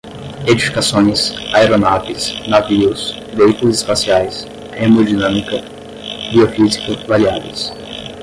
edificações, aeronaves, navios, veículos espaciais, hemodinâmica, biofísica, variáveis